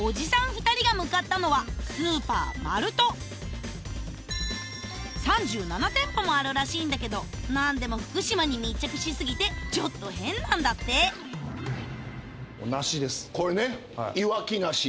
２人が向かったのはスーパーマルト３７店舗もあるらしいんだけど何でも福島に密着し過ぎてちょっと変なんだってこれねいわき梨。